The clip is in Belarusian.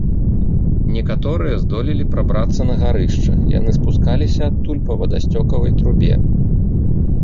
Некаторыя здолелі прабрацца на гарышча, яны спускаліся адтуль па вадасцёкавай трубе.